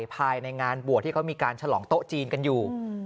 ภายในงานบวชที่เขามีการฉลองโต๊ะจีนกันอยู่